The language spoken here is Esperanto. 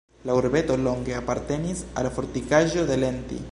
La urbeto longe apartenis al fortikaĵo de Lenti.